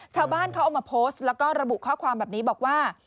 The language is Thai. ชาวบ้านเขาเอามาโพสต์แล้วก็ระบุข้อความแบบนี้บอกว่า